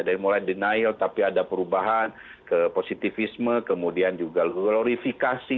dari mulai denial tapi ada perubahan ke positifisme kemudian juga glorifikasi